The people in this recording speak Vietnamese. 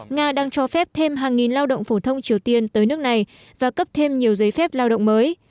nga đang cho phép thêm hàng nghìn lao động phổ thông triều tiên tới nước này và cấp thêm nhiều giấy phép lao động mới